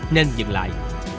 nên dừng lại